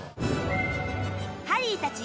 ハリーたち